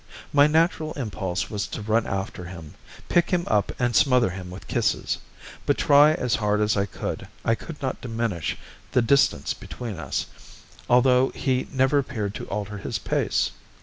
My natural impulse was to run after him, pick him up and smother him with kisses; but try as hard as I could, I could not diminish the distance between us, although he never appeared to alter his pace.